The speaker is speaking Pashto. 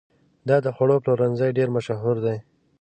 دا د خوړو پلورنځی ډېر مشهور دی.